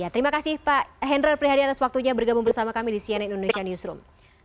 terima kasih pak hendral prihadi atas waktunya bergabung bersama kami di cnn indonesia newsroom